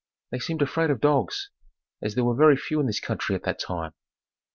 They seemed afraid of dogs, as there were very few in this country at that time.